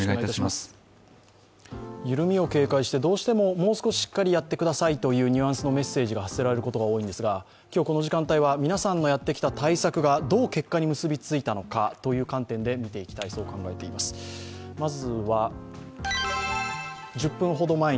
緩みを警戒して、どうしてももう少ししっかりやってくださいというニュアンスのメッセージが発せられることが多いんですが今日、この時間帯は皆さんがしてきた対策がどう結びついたかについてみていきます。